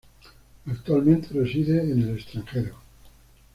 Actualmente reside en el extranjero.